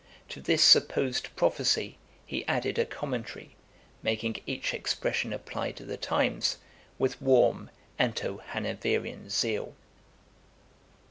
To this supposed prophecy he added a Commentary, making each expression apply to the times, with warm Anti Hanoverian zeal.